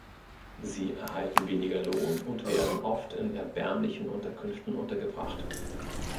Sie erhalten weniger Lohn und werden oft in erbärmlichen Unterkünften untergebracht.